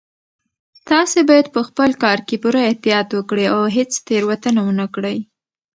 تاسو باید په خپل کار کې پوره احتیاط وکړئ او هیڅ تېروتنه ونه کړئ